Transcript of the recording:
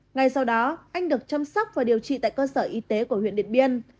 ngay sau đó anh được chăm sóc và điều trị tại cơ sở y tế của huyện điện biên